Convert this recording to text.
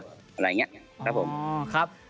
อะไรอย่างนี้ครับผม